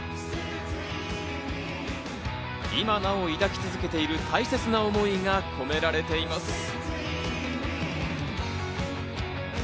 今、なお、抱き続けている大切な想いが込められています。